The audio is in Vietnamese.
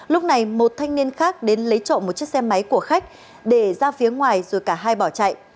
lúc này một thanh niên khác đến lấy trộm một chiếc xe máy của khách để ra phía ngoài rồi cả hai bỏ chạy